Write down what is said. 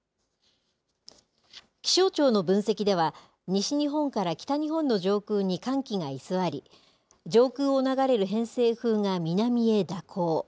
気象庁の分析では、西日本から北日本の上空に寒気が居座り、上空を流れる偏西風が南へ蛇行。